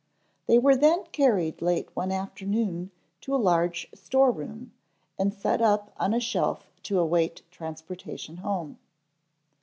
They were then carried late one afternoon to a large store room, and set up on a shelf to await transportation home.